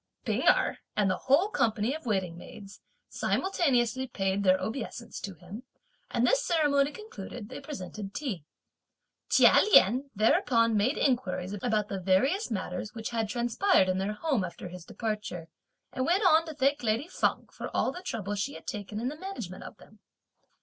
P'ing Erh and the whole company of waiting maids simultaneously paid their obeisance to him, and this ceremony concluded, they presented tea. Chia Lien thereupon made inquiries about the various matters, which had transpired in their home after his departure, and went on to thank lady Feng for all the trouble she had taken in the management of them.